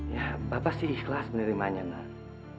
ya bapak sih ikhlas menerimanya nak